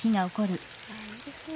いいですね。